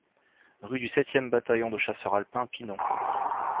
Rue du sept e Bataillon de Chasseurs Alpins, Pinon